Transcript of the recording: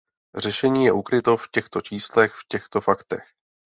Řešení je ukryto v těchto číslech, v těchto faktech.